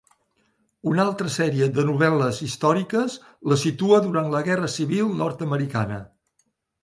Una altra sèrie de novel·les històriques la situa durant la Guerra Civil Nord-americana.